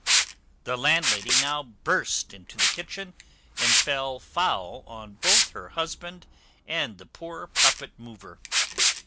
The landlady now burst into the kitchen, and fell foul on both her husband and the poor puppet mover.